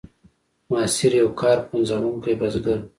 ماسیر یو کار پنځوونکی بزګر و.